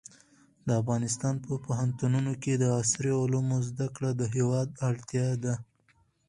د افغانستان په پوهنتونونو کې د عصري علومو زده کړه د هېواد اړتیا ده.